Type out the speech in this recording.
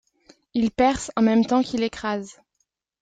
Il perce en même temps qu’il écrase.